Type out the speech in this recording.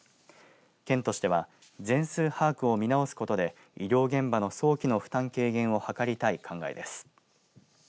県としては全数把握を見直すことで医療現場の早期の負担軽減を図りたい考えです。